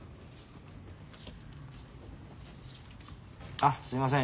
あっすいません